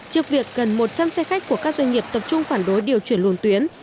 trước việc gần một trăm linh xe khách của các doanh nghiệp tập trung phản đối điều chuyển luồng tuyến